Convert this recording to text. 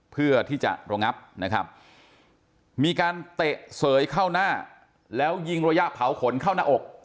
เพื่อที่จะระงับนะครับมีการเตะเสยเข้าหน้าแล้วยิงระยะเผาขนเข้าหน้าอก